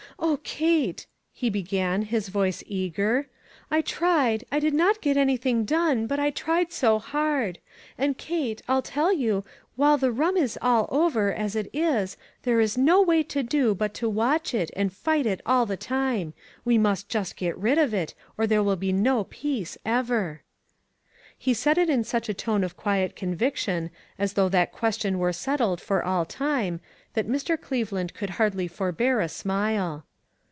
" O Kate," he began, his voice eager, MI tried, I did not get anything done, but I tried so hard. And Kate, I'll tell you, THE VIGILANCE COMMITTEE. 487 while the rum is all over, as it is, there is no way to do but to watch it, and fight it all the time. We must just get rid of it, or there will be no peace ever." He said it in such a tone of quiet con viction, as though that question were set tled for all time, that Mr. Cleveland could hardly forbear a smile.